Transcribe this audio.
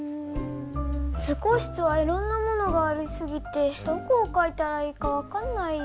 図工室はいろんなものがありすぎてどこをかいたらいいか分かんないよ。